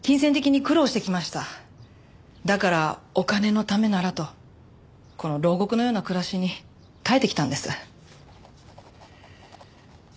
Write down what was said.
だからお金のためならとこの牢獄のような暮らしに耐えてきたんです。